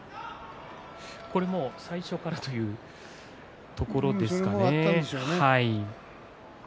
これはもう最初からというところですかね。